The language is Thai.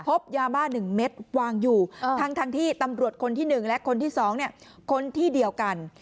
พบยาบ้า๑เม็ดวางอยู่ทั้งที่ตำรวจคนที่๑และคนที่๒คนที่เดียวกัน